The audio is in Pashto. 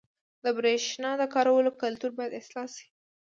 • د برېښنا د کارولو کلتور باید اصلاح شي.